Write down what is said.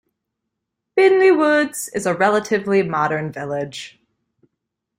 Binley Woods is a relatively modern village.